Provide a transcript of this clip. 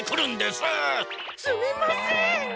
すみません！